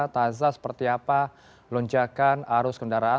taza seperti apa lonjakan arus kendaraan